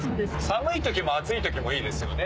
寒い時も暑い時もいいですよね